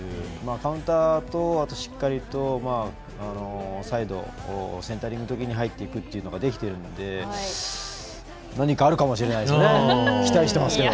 カウンターと、しっかりとサイドセンタリングのときに入っていくということができていると思うので何かあるかもしれないですね。